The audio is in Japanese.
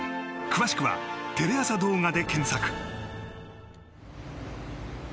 詳しくはテレ朝動画で検索。